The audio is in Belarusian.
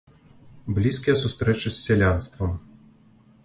Блізкія сустрэчы з сялянствам.